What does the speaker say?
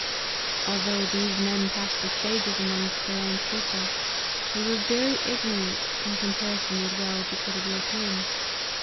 Although these men pass for sages amongst their own people, they were very ignorant, in compari son with well educated Europeans.